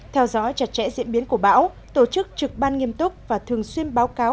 theo dõi chặt chẽ diễn biến của bão tổ chức trực ban nghiêm túc và thường xuyên báo cáo